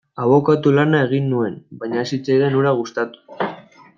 Abokatu lana egin nuen, baina ez zitzaidan hura gustatu.